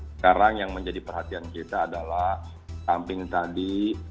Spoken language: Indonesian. sekarang yang menjadi perhatian kita adalah samping tadi